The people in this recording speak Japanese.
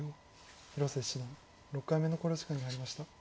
広瀬七段６回目の考慮時間に入りました。